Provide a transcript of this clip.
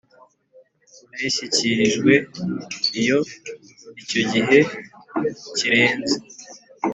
ayishyikirijwe Iyo icyo gihe kirenze